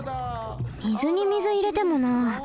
水に水いれてもな。